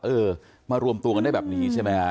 เออมารวมตัวกันได้แบบนี้ใช่ไหมฮะ